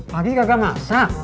pak haji kagak masak